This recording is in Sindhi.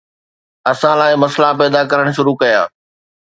اسان لاءِ مسئلا پيدا ڪرڻ شروع ڪيا